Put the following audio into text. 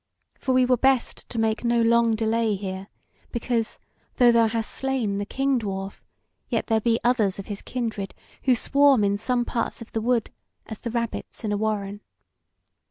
For we were best to make no long delay here; because, though thou hast slain the King dwarf, yet there be others of his kindred, who swarm in some parts of the wood as the rabbits in a warren.